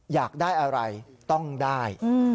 อยากได้อะไรต้องได้